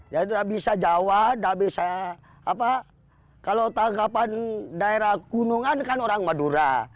jadi tidak bisa jawa tidak bisa apa kalau tangkapan daerah gunungan kan orang madura